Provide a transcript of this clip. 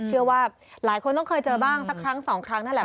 เชื่อว่าหลายคนต้องเคยเจอบ้างสักครั้งสองครั้งนั่นแหละ